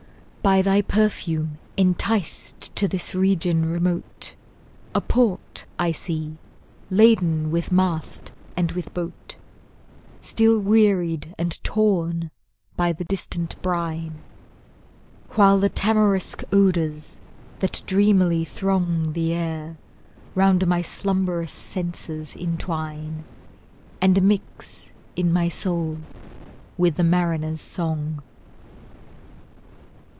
By thy perfume enticed to this region remote, A port I see, laden with mast and with boat, Still wearied and torn by the distant brine; While the tamarisk odours that dreamily throng The air, round my slumberous senses intwine, And mix, in my soul, with the mariners' song.